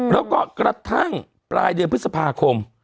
แล้วก็กระทั่งปลายเดือนพฤษภาคม